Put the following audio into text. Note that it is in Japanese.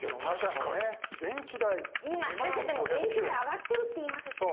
今先生でも電気代上がってるっていいますしね。